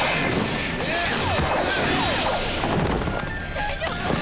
大丈夫！？